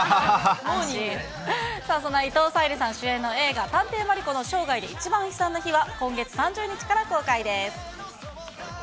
モーニング、そんな伊藤沙莉さん主演の映画、探偵マリコの生涯で一番悲惨な日は今月３０日から公開です。